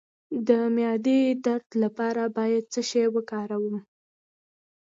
د معدې درد لپاره باید څه شی وکاروم؟